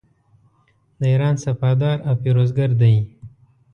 د ایران سپهدار او پیروزګر دی.